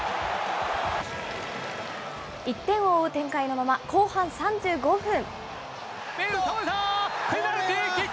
１点を追う展開のまま、後半３５分。